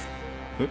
えっ？